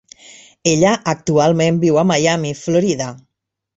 Ella actualment viu a Miami, Florida.